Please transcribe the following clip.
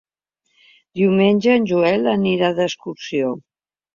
Diumenge en Joel anirà d'excursió.